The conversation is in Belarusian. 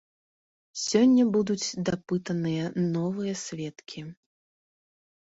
Сёння будуць дапытаныя новыя сведкі.